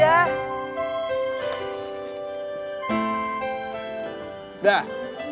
ya harap depan aja